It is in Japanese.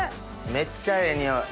めっちゃええ匂い。